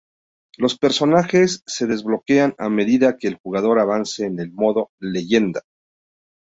Los personajes se desbloquean a medida que el jugador avance en el modo "Leyenda".